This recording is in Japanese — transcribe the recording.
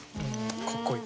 かっこいい。